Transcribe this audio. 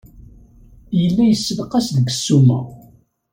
Yella yessenqas deg ssuma.